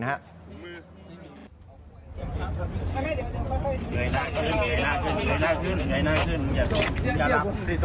โอ้โฮอายุ๓๕ปี